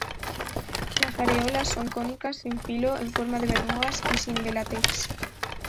Las areolas son cónicas sin filo en forma de verrugas y sin de látex.